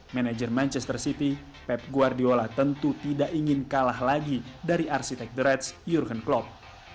manager manchester city pep guardiola tentu tidak ingin kalah lagi dari arsitek the reds jurgen klopp